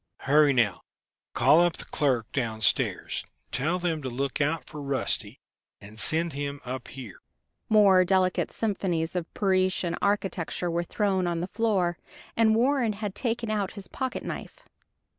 "Hurry, now call up the clerk downstairs. Tell them to look out for Rusty and send him up here." More delicate symphonies of Parisian architecture were thrown on the floor, and Warren had taken out his pocket knife.